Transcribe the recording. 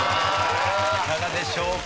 いかがでしょうか？